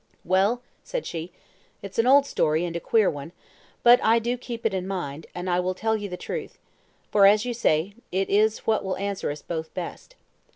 "Well," said she, "it's an old story and a queer one, but I do keep it in mind, and I will tell you the truth; for as you say, it is what will answer us both best.